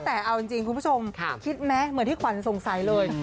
แต่เอาจริงคุณผู้ชมคิดไหมเหมือนที่ขวัญสงสัยเลย